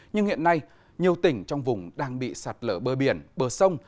nhưng hiện nay nhiều tỉnh trong vùng đang bị sạt lở bờ biển bờ sông